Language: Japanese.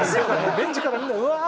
ベンチからみんなうわー！